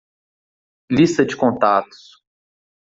Lista de contatos.